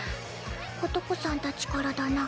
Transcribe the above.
琴子さんたちからだな。